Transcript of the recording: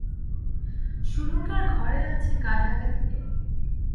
সুড়ঙ্গের ঘরে আছে গা ঢাকা দিয়ে।